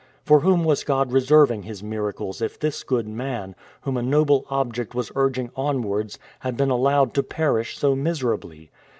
For whom was God reserving His miracles if this good man, whom a noble object was urging onwards, had been allowed to perish so miserably?